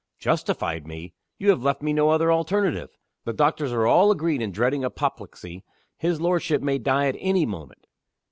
"Justified me? You have left me no other alternative. The doctors are all agreed in dreading apoplexy his lordship may die at any moment.